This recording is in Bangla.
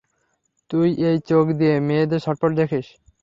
তুই এই চোখ দিয়ে মেয়েদের ছটফট দেখিস!